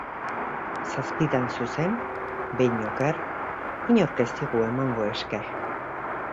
Zazpitan zuzen, behin oker, inork ez dizu emango esker.